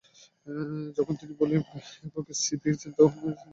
যখন তিনি ভলিউম এককে সি দিয়েছেন, তিনি বলেন যে "এটি অনেক খারাপ হতে পারে"।